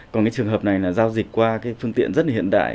còn cái trường hợp này là giao dịch qua cái phương tiện rất là hiện đại